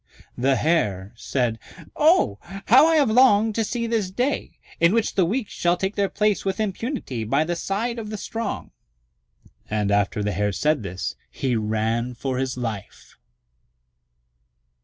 The Hare said, "Oh, how I have longed to see this day, in which the weak shall take their place with impunity by the side of the strong." And after the Hare said this, he ran for his life.